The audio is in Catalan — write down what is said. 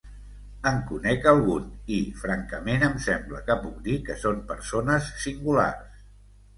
En conec algun i, francament, em sembla que puc dir que són persones singulars.